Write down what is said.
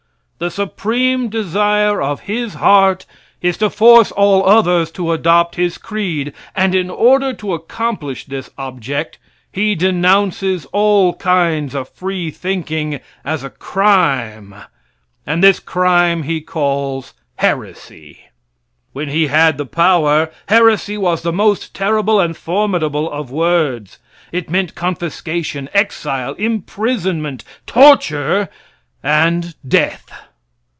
The supreme desire of his heart is to force all others to adopt his creed, and in order to accomplish this object, he denounces all kinds of free thinking as a crime, and this crime he calls heresy. When he had the power, heresy was the most terrible and formidable of words. It meant confiscation, exile, imprisonment, torture, and death.